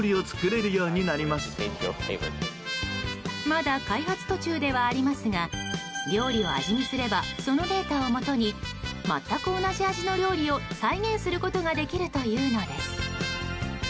まだ開発途中ではありますが料理を味見すればそのデータをもとに全く同じ味の料理を再現することができるというのです。